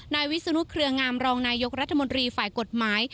วิศนุเครืองามรองนายกรัฐมนตรีฝ่ายกฎหมาย